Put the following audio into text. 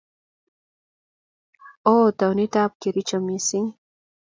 Ooh taonit ap Kericho mising'.